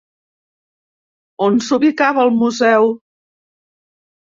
On s'ubicava el museu?